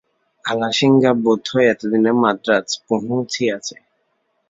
আলাসিঙ্গা বোধ হয় এতদিনে মান্দ্রাজ পঁহুছিয়াছে।